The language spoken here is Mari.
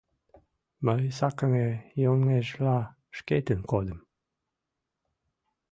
Мый сакыме йоҥежла шкетын кодым.